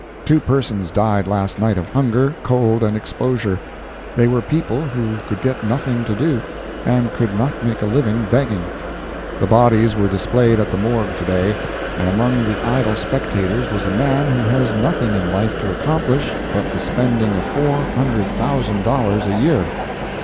Two persons died last night of hunger, cold and exposure; they were people who could get nothing to do, and could not make a living begging. The bodies were displayed at the Morgue to day, and among the idle spectators was a man who has nothing in life to accomplish but the spending of four hundred thousand dollars a year.